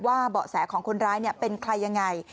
ว่าเบาะแสของคนร้ายเนี่ยเป็นใครยังไง